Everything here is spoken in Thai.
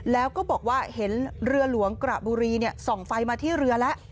แล้วก็บอกว่าเห็นเรือหลวงกระบุรีส่องไฟมาที่เรือแล้ว